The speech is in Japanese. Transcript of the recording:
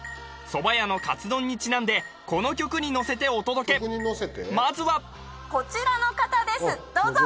蕎麦屋のかつ丼にちなんでこの曲にのせてお届けまずはこちらの方ですどうぞ！